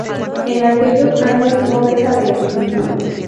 En aquellos años, no deja de escribir.